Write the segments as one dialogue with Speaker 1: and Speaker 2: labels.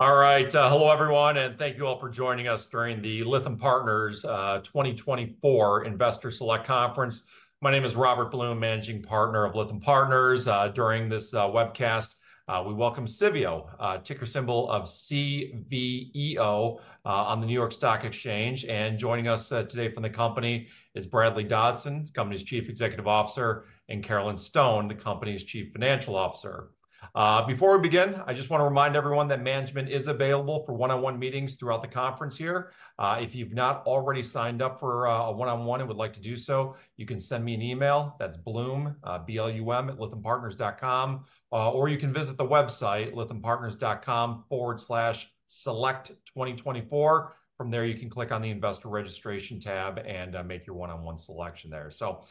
Speaker 1: All right, hello, everyone, and thank you all for joining us during the Lytham Partners 2024 investor select conference. My name is Robert Blum, Managing Partner of Lytham Partners. During this webcast, we welcome Civeo, ticker symbol of CVEO on the New York Stock Exchange. Joining us today from the company is Bradley Dodson, the company's Chief Executive Officer, and Carolyn Stone, the company's Chief Financial Officer. Before we begin, I just want to remind everyone that management is available for one-on-one meetings throughout the conference here. If you've not already signed up for a one-on-one and would like to do so, you can send me an email. That's Blum, B-L-U-M, @lythampartners.com, or you can visit the website lythampartners.com/select2024. From there, you can click on the Investor Registration tab and make your one-on-one selection there. So,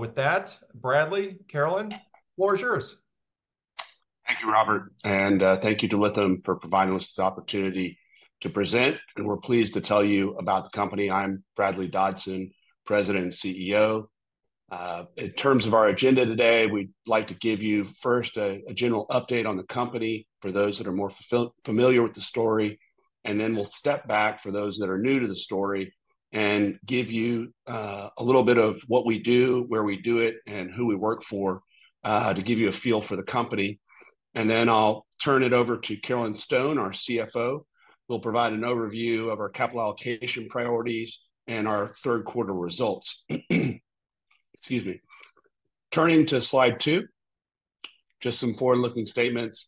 Speaker 1: with that, Bradley, Carolyn, the floor is yours.
Speaker 2: Thank you, Robert, and thank you to Lytham for providing us this opportunity to present, and we're pleased to tell you about the company. I'm Bradley Dodson, President and CEO. In terms of our agenda today, we'd like to give you first a general update on the company for those that are more familiar with the story. And then we'll step back for those that are new to the story and give you a little bit of what we do, where we do it, and who we work for, to give you a feel for the company. And then I'll turn it over to Carolyn Stone, our CFO, who will provide an overview of our capital allocation priorities and our third quarter results. Excuse me. Turning to slide two, just some forward-looking statements.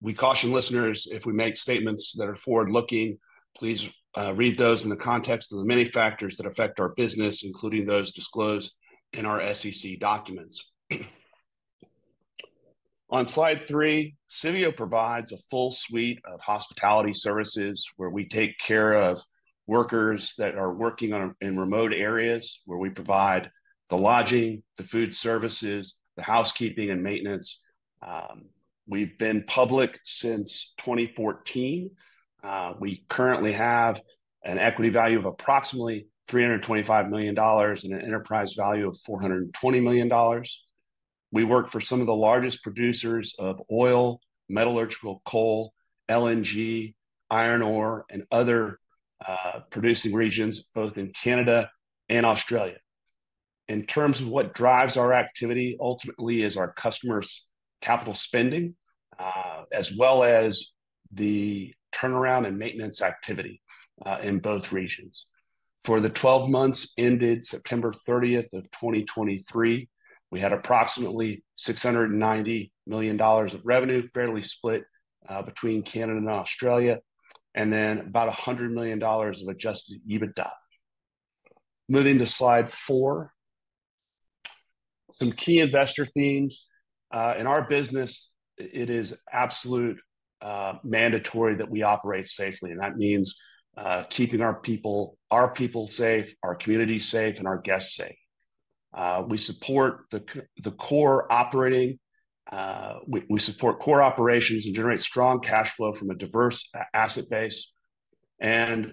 Speaker 2: We caution listeners, if we make statements that are forward-looking, please, read those in the context of the many factors that affect our business, including those disclosed in our SEC documents. On slide three, Civeo provides a full suite of hospitality services, where we take care of workers that are working in remote areas, where we provide the lodging, the food services, the housekeeping, and maintenance. We've been public since 2014. We currently have an equity value of approximately $325 million and an enterprise value of $420 million. We work for some of the largest producers of oil, metallurgical coal, LNG, iron ore, and other producing regions, both in Canada and Australia. In terms of what drives our activity, ultimately is our customers' capital spending, as well as the turnaround and maintenance activity, in both regions. For the twelve months ended September 30th, 2023, we had approximately $690 million of revenue, fairly split between Canada and Australia, and then about $100 million of Adjusted EBITDA. Moving to slide four, some key investor themes. In our business, it is absolute mandatory that we operate safely, and that means keeping our people, our people safe, our communities safe, and our guests safe. We support core operations and generate strong cash flow from a diverse asset base, and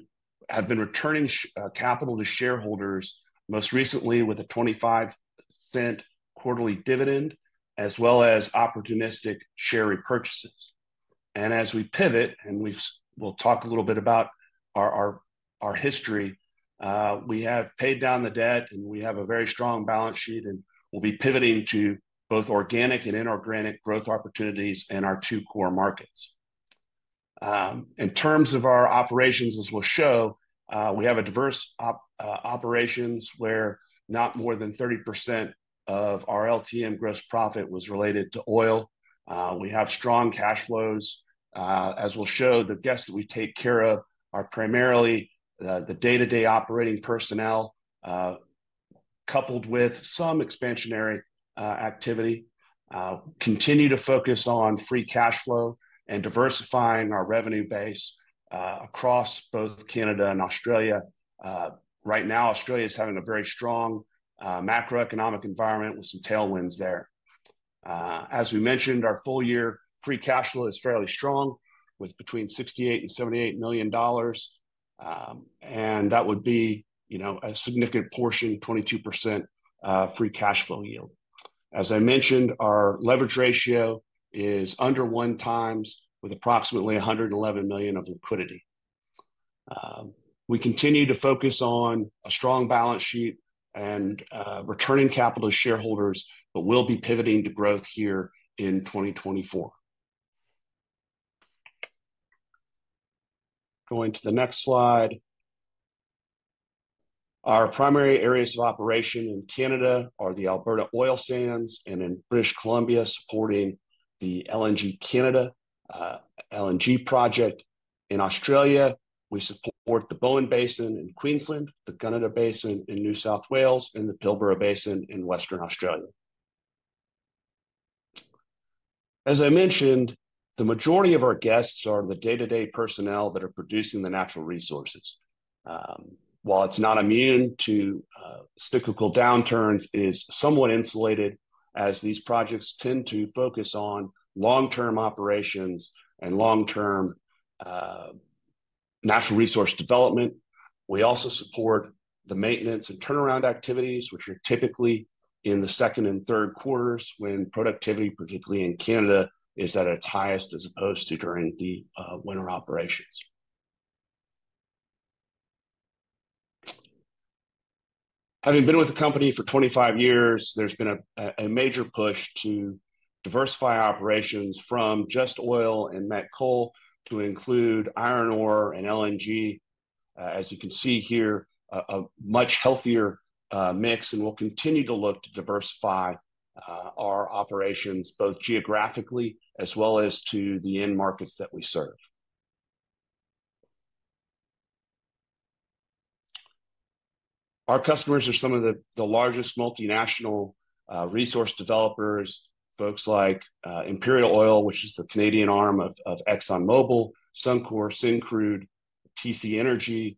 Speaker 2: have been returning capital to shareholders, most recently with a 25-cent quarterly dividend, as well as opportunistic share repurchases. As we pivot, and we've, we'll talk a little bit about our history, we have paid down the debt, and we have a very strong balance sheet, and we'll be pivoting to both organic and inorganic growth opportunities in our two core markets. In terms of our operations, as we'll show, we have a diverse operations, where not more than 30% of our LTM gross profit was related to oil. We have strong cash flows. As we'll show, the guests that we take care of are primarily the day-to-day operating personnel, coupled with some expansionary activity. Continue to focus on free cash flow and diversifying our revenue base, across both Canada and Australia. Right now, Australia's having a very strong macroeconomic environment with some tailwinds there. As we mentioned, our full-year free cash flow is fairly strong, with between $68 million and $78 million. And that would be, you know, a significant portion, 22%, free cash flow yield. As I mentioned, our leverage ratio is under 1x, with approximately $111 million of liquidity. We continue to focus on a strong balance sheet and returning capital to shareholders, but we'll be pivoting to growth here in 2024. Going to the next slide. Our primary areas of operation in Canada are the Alberta oil sands, and in British Columbia, supporting the LNG Canada, LNG project. In Australia, we support the Bowen Basin in Queensland, the Gunnedah Basin in New South Wales, and the Pilbara Basin in Western Australia. As I mentioned, the majority of our guests are the day-to-day personnel that are producing the natural resources. While it's not immune to cyclical downturns, it is somewhat insulated, as these projects tend to focus on long-term operations and long-term natural resource development. We also support the maintenance and turnaround activities, which are typically in the second and third quarters, when productivity, particularly in Canada, is at its highest, as opposed to during the winter operations. Having been with the company for 25 years, there's been a major push to diversify operations from just oil and met coal to include iron ore and LNG. As you can see here, a much healthier mix, and we'll continue to look to diversify our operations, both geographically as well as to the end markets that we serve. Our customers are some of the, the largest multinational, resource developers, folks like, Imperial Oil, which is the Canadian arm of, of ExxonMobil, Suncor, Syncrude, TC Energy,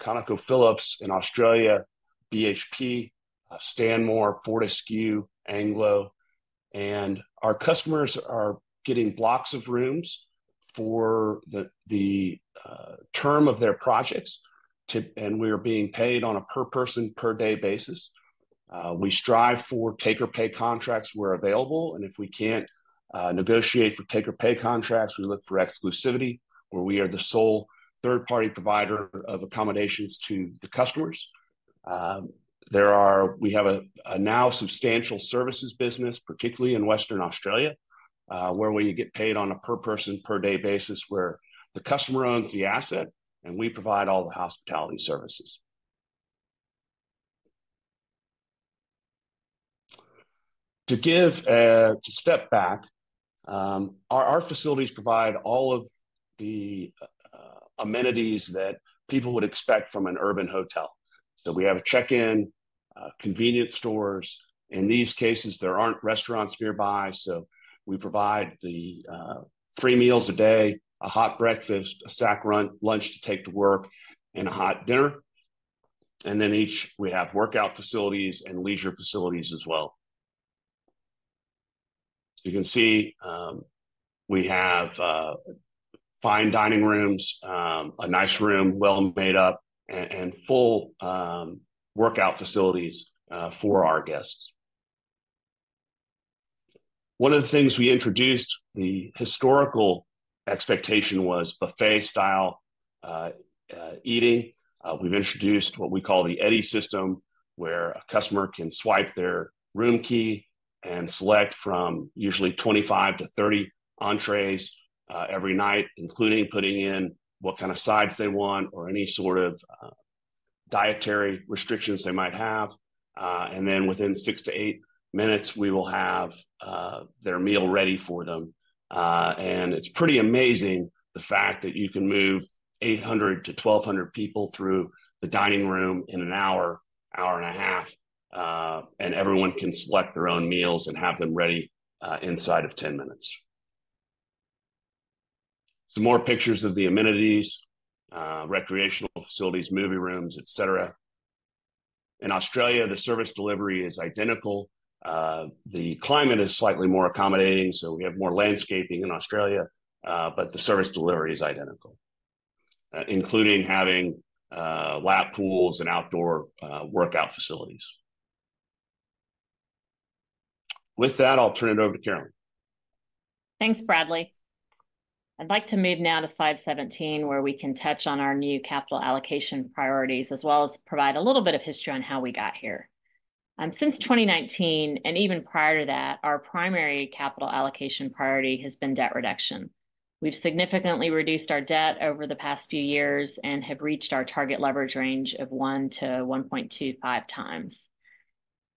Speaker 2: ConocoPhillips in Australia, BHP, Stanmore, Fortescue, Anglo. And our customers are getting blocks of rooms for the, the, term of their projects to... And we're being paid on a per-person, per-day basis. We strive for take-or-pay contracts where available, and if we can't, negotiate for take-or-pay contracts, we look for exclusivity, where we are the sole third-party provider of accommodations to the customers. We have a now substantial services business, particularly in Western Australia, where we get paid on a per-person, per-day basis, where the customer owns the asset, and we provide all the hospitality services. To give, To step back, our facilities provide all of the amenities that people would expect from an urban hotel. So we have a check-in, convenience stores. In these cases, there aren't restaurants nearby, so we provide the three meals a day, a hot breakfast, a sack lunch to take to work, and a hot dinner. And then each, we have workout facilities and leisure facilities as well. You can see, we have fine dining rooms, a nice room, well made up, and full workout facilities for our guests. One of the things we introduced, the historical expectation was buffet-style eating. We've introduced what we call the EDI System, where a customer can swipe their room key and select from usually 25-30 entrees every night, including putting in what kind of sides they want or any sort of dietary restrictions they might have. And then within six to eight minutes, we will have their meal ready for them. And it's pretty amazing, the fact that you can move 800-1,200 people through the dining room in 1 hour-1.5 hours, and everyone can select their own meals and have them ready inside of 10 minutes. Some more pictures of the amenities, recreational facilities, movie rooms, et cetera. In Australia, the service delivery is identical. The climate is slightly more accommodating, so we have more landscaping in Australia, but the service delivery is identical, including having lap pools and outdoor workout facilities. With that, I'll turn it over to Carolyn.
Speaker 3: Thanks, Bradley. I'd like to move now to Slide 17, where we can touch on our new capital allocation priorities, as well as provide a little bit of history on how we got here. Since 2019, and even prior to that, our primary capital allocation priority has been debt reduction. We've significantly reduced our debt over the past few years and have reached our target leverage range of 1-1.25 times.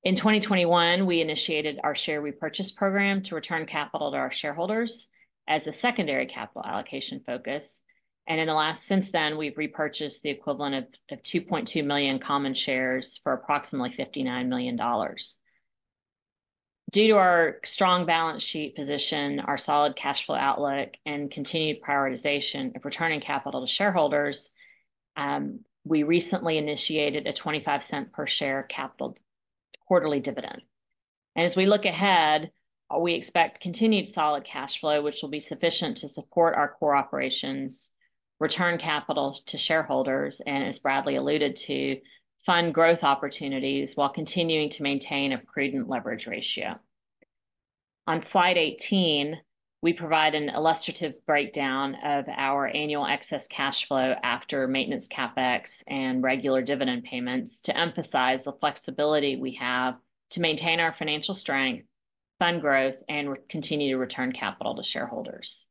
Speaker 3: In 2021, we initiated our share repurchase program to return capital to our shareholders as a secondary capital allocation focus, and since then, we've repurchased the equivalent of 2.2 million common shares for approximately $59 million. Due to our strong balance sheet position, our solid cash flow outlook, and continued prioritization of returning capital to shareholders, we recently initiated a $0.25 per share quarterly dividend. As we look ahead, we expect continued solid cash flow, which will be sufficient to support our core operations, return capital to shareholders, and, as Bradley alluded to, fund growth opportunities while continuing to maintain a prudent leverage ratio. On Slide 18, we provide an illustrative breakdown of our annual excess cash flow after maintenance CapEx and regular dividend payments to emphasize the flexibility we have to maintain our financial strength, fund growth, and continue to return capital to shareholders.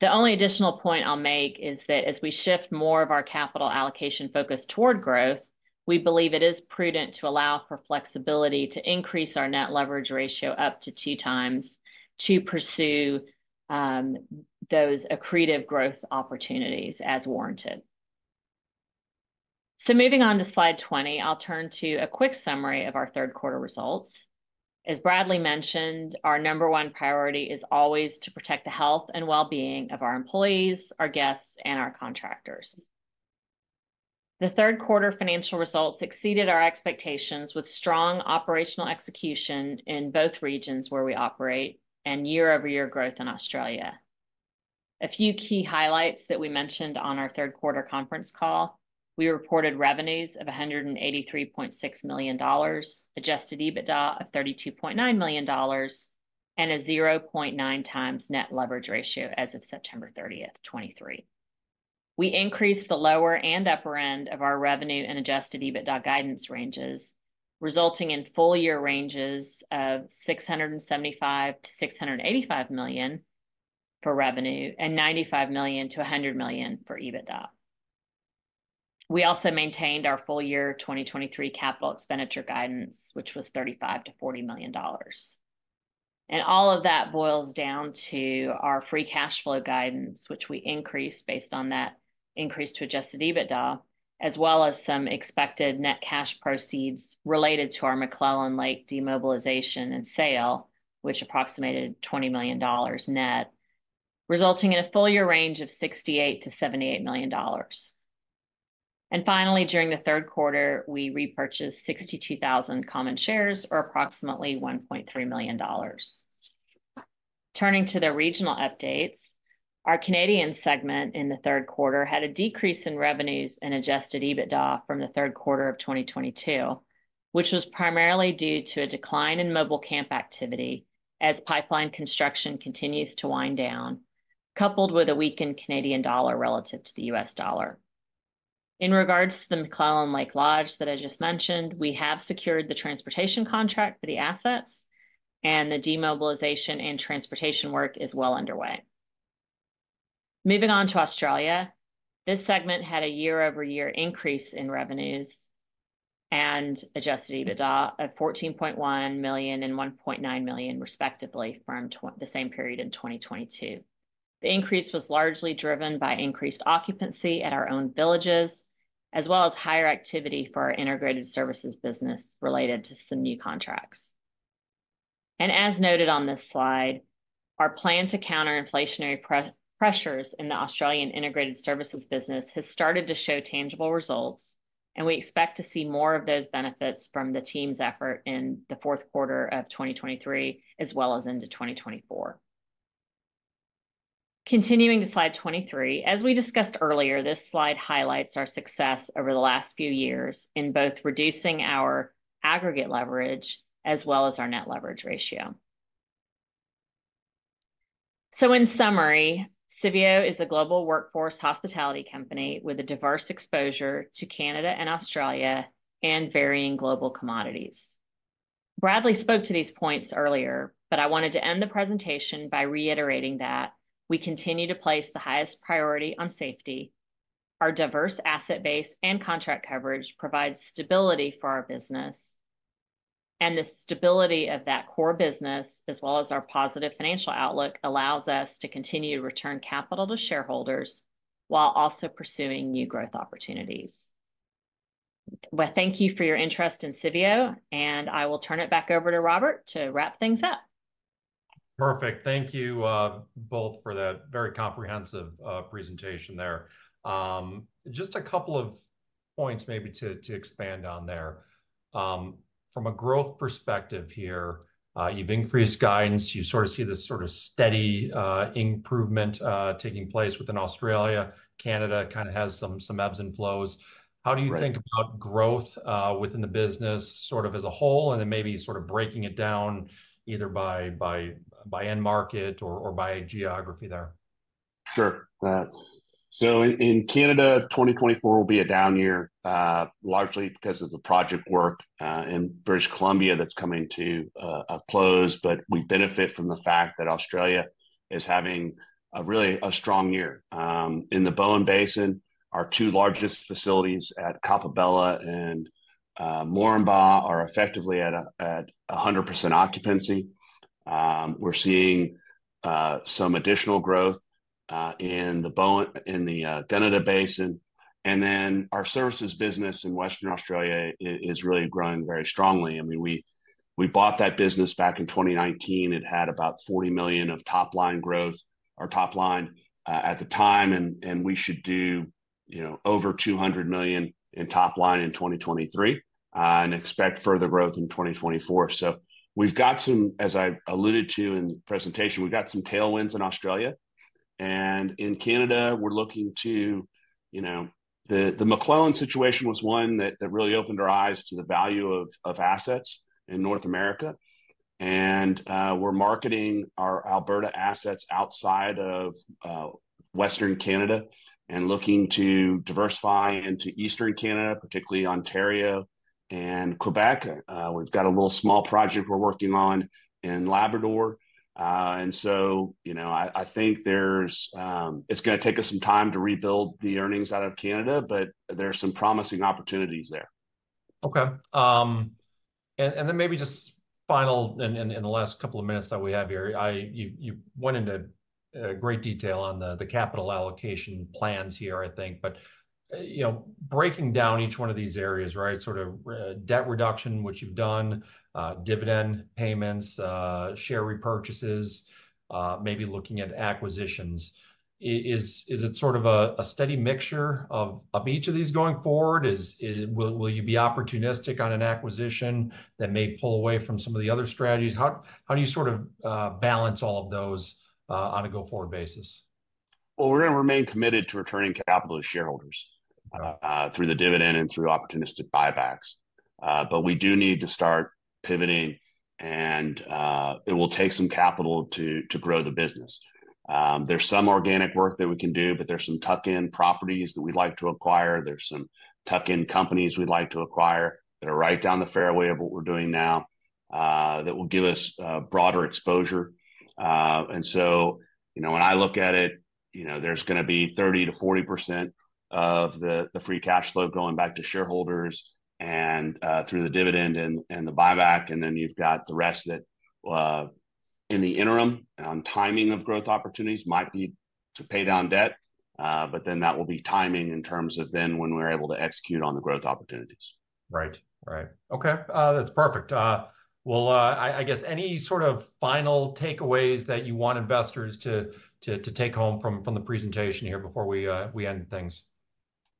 Speaker 3: The only additional point I'll make is that as we shift more of our capital allocation focus toward growth, we believe it is prudent to allow for flexibility to increase our Net Leverage Ratio up to 2x to pursue those accretive growth opportunities as warranted. So moving on to Slide 20, I'll turn to a quick summary of our third quarter results. As Bradley mentioned, our number one priority is always to protect the health and wellbeing of our employees, our guests, and our contractors. The third quarter financial results exceeded our expectations, with strong operational execution in both regions where we operate, and year-over-year growth in Australia. A few key highlights that we mentioned on our third quarter conference call, we reported revenues of $183.6 million, Adjusted EBITDA of $32.9 million, and a 0.9x Net Leverage Ratio as of September 30th, 2023. We increased the lower and upper end of our revenue and Adjusted EBITDA guidance ranges, resulting in full-year ranges of $675 million-$685 million for revenue, and $95 million-$100 million for Adjusted EBITDA. We also maintained our full-year 2023 capital expenditure guidance, which was $35 million-$40 million. And all of that boils down to our Free Cash Flow guidance, which we increased based on that increase to Adjusted EBITDA, as well as some expected net cash proceeds related to our McClelland Lake demobilization and sale, which approximated $20 million net, resulting in a full-year range of $68 million-$78 million. And finally, during the third quarter, we repurchased 62,000 common shares, or approximately $1.3 million. Turning to the regional updates, our Canadian segment in the third quarter had a decrease in revenues and Adjusted EBITDA from the third quarter of 2022, which was primarily due to a decline in mobile camp activity as pipeline construction continues to wind down, coupled with a weakened Canadian dollar relative to the U.S. dollar. In regards to the McClelland Lake Lodge that I just mentioned, we have secured the transportation contract for the assets, and the demobilization and transportation work is well underway. Moving on to Australia, this segment had a year-over-year increase in revenues and Adjusted EBITDA of $14.1 million and $1.9 million respectively from the same period in 2022. The increase was largely driven by increased occupancy at our own villages, as well as higher activity for our integrated services business related to some new contracts. As noted on this slide, our plan to counter inflationary pressures in the Australian integrated services business has started to show tangible results, and we expect to see more of those benefits from the team's effort in the fourth quarter of 2023, as well as into 2024. Continuing to slide 23, as we discussed earlier, this slide highlights our success over the last few years in both reducing our aggregate leverage, as well as our net leverage ratio. In summary, Civeo is a global workforce hospitality company with a diverse exposure to Canada and Australia, and varying global commodities. Bradley spoke to these points earlier, but I wanted to end the presentation by reiterating that we continue to place the highest priority on safety, our diverse asset base and contract coverage provides stability for our business, and the stability of that core business, as well as our positive financial outlook, allows us to continue to return capital to shareholders while also pursuing new growth opportunities. Well, thank you for your interest in Civeo, and I will turn it back over to Robert to wrap things up.
Speaker 1: Perfect, thank you, both for that very comprehensive presentation there. Just a couple of points maybe to expand on there. From a growth perspective here, you've increased guidance. You sort of see this sort of steady improvement taking place within Australia. Canada kind of has some ebbs and flows.
Speaker 2: Right.
Speaker 1: How do you think about growth within the business sort of as a whole, and then maybe sort of breaking it down either by end market or by geography there?
Speaker 2: Sure. So in, in Canada, 2024 will be a down year, largely because of the project work in British Columbia that's coming to a close. But we benefit from the fact that Australia is having a really, a strong year. In the Bowen Basin, our two largest facilities at Coppabella and Moranbah are effectively at 100% occupancy. We're seeing some additional growth in the Bowen- in the Gunnedah Basin. And then our services business in Western Australia is really growing very strongly. I mean, we, we bought that business back in 2019. It had about $40 million of top line growth... or top line at the time, and, and we should do, you know, over $200 million in top line in 2023, and expect further growth in 2024. So we've got some as I alluded to in the presentation, we've got some tailwinds in Australia, and in Canada we're looking to, you know. The McClelland situation was one that really opened our eyes to the value of assets in North America. And we're marketing our Alberta assets outside of Western Canada, and looking to diversify into Eastern Canada, particularly Ontario and Quebec. We've got a little small project we're working on in Labrador. And so, you know, I think there's. It's gonna take us some time to rebuild the earnings out of Canada, but there are some promising opportunities there.
Speaker 1: Okay. And then maybe just finally, in the last couple of minutes that we have here, you went into great detail on the capital allocation plans here, I think. But you know, breaking down each one of these areas, right? Sort of debt reduction, which you've done, dividend payments, share repurchases, maybe looking at acquisitions. Is it sort of a steady mixture of each of these going forward? Will you be opportunistic on an acquisition that may pull away from some of the other strategies? How do you sort of balance all of those on a go-forward basis?
Speaker 2: Well, we're gonna remain committed to returning capital to shareholders-
Speaker 1: Uh-huh...
Speaker 2: through the dividend and through opportunistic buybacks. But we do need to start pivoting, and it will take some capital to grow the business. There's some organic work that we can do, but there's some tuck-in properties that we'd like to acquire. There's some tuck-in companies we'd like to acquire, that are right down the fairway of what we're doing now, that will give us broader exposure. And so, you know, when I look at it, you know, there's gonna be 30%-40% of the Free Cash Flow going back to shareholders, and through the dividend and the buyback, and then you've got the rest of it. In the interim, on timing of growth opportunities, might be to pay down debt, but then that will be timing in terms of then when we're able to execute on the growth opportunities.
Speaker 1: Right. Right. Okay, that's perfect. Well, I guess any sort of final takeaways that you want investors to take home from the presentation here before we end things?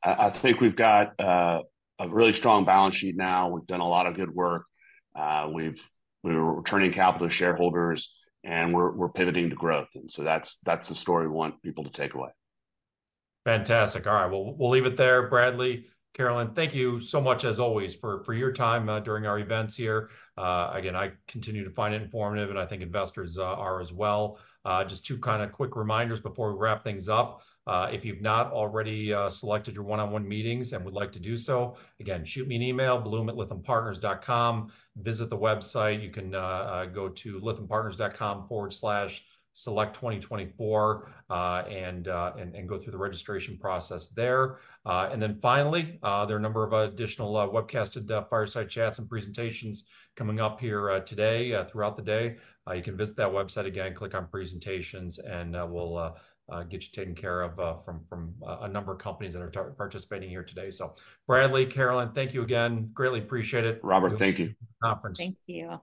Speaker 2: I think we've got a really strong balance sheet now. We've done a lot of good work. We're returning capital to shareholders, and we're pivoting to growth, and so that's the story we want people to take away.
Speaker 1: Fantastic. All right, we'll leave it there. Bradley, Carolyn, thank you so much as always for your time during our events here. Again, I continue to find it informative, and I think investors are as well. Just two kind of quick reminders before we wrap things up. If you've not already selected your one-on-one meetings and would like to do so, again, shoot me an email, blum@lythampartners.com. Visit the website. You can go to lythampartners.com/select2024 and go through the registration process there. And then finally, there are a number of additional webcasted fireside chats and presentations coming up here today throughout the day. You can visit that website again, click on Presentations, and we'll get you taken care of from a number of companies that are participating here today. So Bradley, Carolyn, thank you again. Greatly appreciate it.
Speaker 2: Robert, thank you.
Speaker 1: Conference.
Speaker 2: Thank you.